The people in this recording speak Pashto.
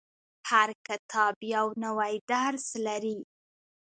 • هر کتاب یو نوی درس لري.